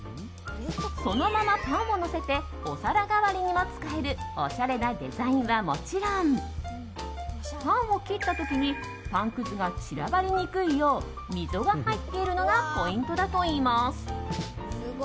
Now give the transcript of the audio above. そのままパンをのせてお皿代わりにも使えるおしゃれなデザインはもちろんパンを切った時にパンくずが散らばりにくいよう溝が入っているのがポイントだといいます。